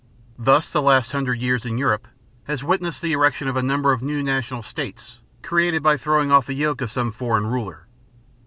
Thus the last hundred years in Europe has witnessed the erection of a number of new national states created by throwing off the yoke of some foreign ruler.